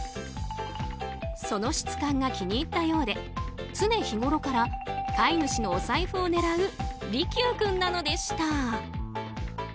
その質感が気に入ったようで常日頃から飼い主のお財布を狙う利休君なのでした。